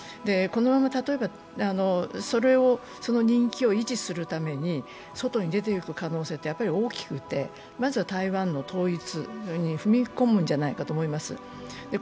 このまま、人気を維持するために外に出て行く可能性って大きくてまずは台湾の統一に踏み込むんじゃないかと思います。